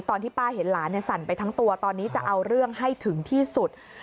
ตอนที่ป้าเห็นหลานสั่นไปทั้งตัวตอนนี้จะเอาเรื่องให้ถึงที่สุด